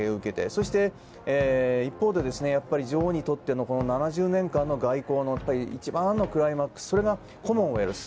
そして一方で女王にとっての７０年間の外交の一番のクライマックスがコモンウェルス。